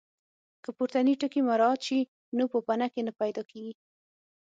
که پورتني ټکي مراعات شي نو پوپنکي نه پیدا کېږي.